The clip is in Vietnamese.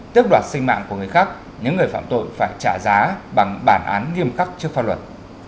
tước đoạt sinh mạng của người khác những người phạm tội phải trả giá bằng bản án nghiêm khắc trước pháp luật